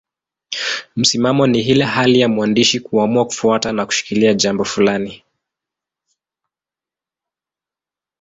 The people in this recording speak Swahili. Msimamo ni ile hali ya mwandishi kuamua kufuata na kushikilia jambo fulani.